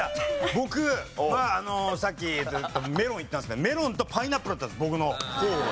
僕さっきメロンいったんですけどメロンとパイナップルだったんです僕の候補は。